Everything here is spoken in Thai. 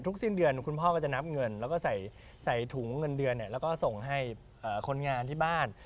สิ้นเดือนคุณพ่อก็จะนับเงินแล้วก็ใส่ถุงเงินเดือนแล้วก็ส่งให้คนงานที่บ้าน